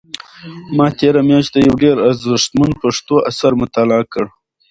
ما تېره میاشت یو ډېر ارزښتمن پښتو اثر مطالعه کړ.